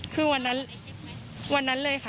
คือวันนั้นวันนั้นเลยค่ะ